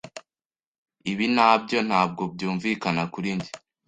Ibi nabyo ntabwo byumvikana kuri njye.